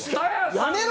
やめろ！